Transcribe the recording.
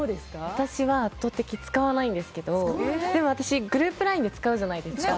私は圧倒的に使わないんですけどでも私、グループＬＩＮＥで使うじゃないですか。